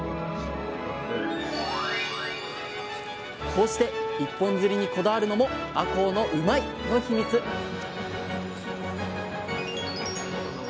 こうして一本釣りにこだわるのもあこうのうまいッ！のヒミツへ。